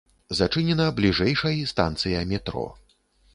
Зачынена бліжэйшай станцыя метро.